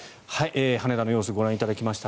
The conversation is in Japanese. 羽田の様子ご覧いただきました。